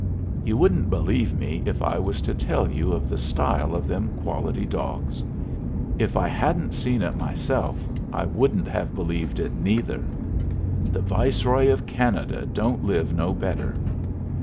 You wouldn't believe me if I was to tell you of the style of them quality dogs. If I hadn't seen it myself I wouldn't have believed it neither. The Viceroy of Canada don't live no better.